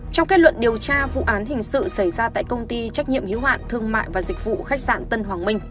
trong kết luận điều tra vụ án hình sự xảy ra tại công ty trách nhiệm hiếu hạn thương mại và dịch vụ khách sạn tân hoàng minh